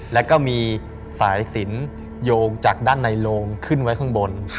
แล้วก็มีสายสินโยงจากด้านในโลงขึ้นไว้ข้างบน